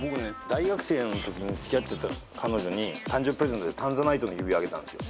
大学生のときに付き合ってた彼女に誕生日プレゼントでタンザナイトの指輪あげたんですよ。